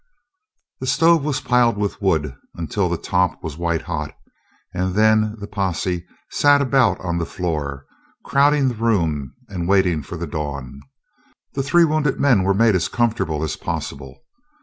The stove was piled with wood until the top was white hot, and then the posse sat about on the floor, crowding the room and waiting for the dawn. The three wounded men were made as comfortable as possible.